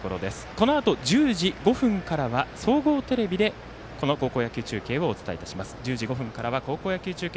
このあと１０時５分からは総合テレビでこの高校野球中継をお伝えいたします。